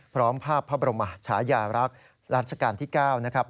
พร้อมภาพพระบรมชายารักษ์รัชกาลที่๙นะครับ